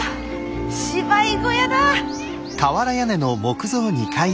芝居小屋だ！